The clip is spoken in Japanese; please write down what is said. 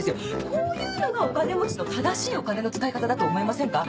こういうのがお金持ちの正しいお金の使い方だと思いませんか？